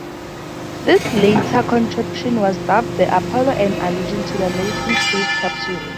This latter contraption was dubbed the Apollo-an allusion to the American space capsules.